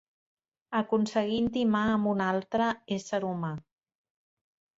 Aconseguir intimar amb un altre ésser humà.